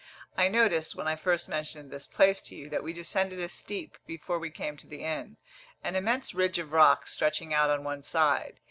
I noticed, when I first mentioned this place to you, that we descended a steep before we came to the inn; an immense ridge of rocks stretching out on one side.